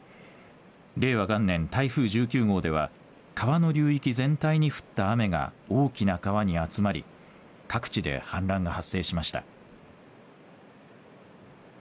令和元年、台風１９号では川の流域全体に降った雨が大きな川に集まり各地で氾濫が発生しました。